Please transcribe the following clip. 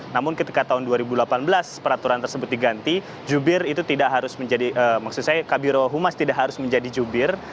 namun ketika tahun dua ribu delapan belas peraturan tersebut diganti kabiro humas tidak harus menjadi jubir